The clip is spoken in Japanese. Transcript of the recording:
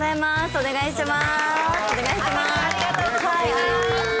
お願いします。